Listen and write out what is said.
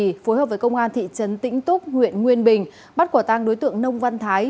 trì phối hợp với công an thị trấn tĩnh túc huyện nguyên bình bắt quả tang đối tượng nông văn thái